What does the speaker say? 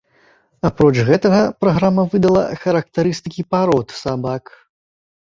Апроч гэтага, праграма выдала характарыстыкі парод сабак.